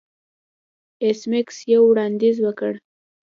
ایس میکس یو وړاندیز وکړ